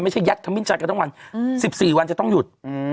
ไม่ใช่ยัดคำมิ้นชันกันตั้งวัน๑๔วันจะต้องหยุด